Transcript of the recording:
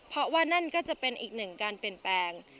เพราะว่านั่นก็จะเป็นอีกหนึ่งการเปลี่ยนแปลง